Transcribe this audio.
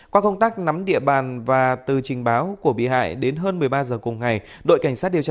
qua công tác nắm địa bàn và từ trình báo của bị hại đến hơn một mươi ba h cùng ngày đội cảnh sát điều tra